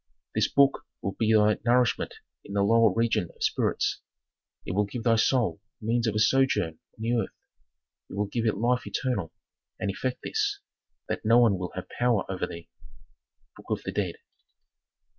"This book will be thy nourishment in the lower region of spirits, it will give thy soul means of sojourn on the earth, it will give it life eternal, and effect this, that no one will have power over thee." "Book of the Dead."